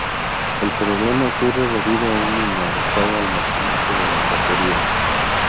El problema ocurre debido a un inadecuado almacenaje de las baterías.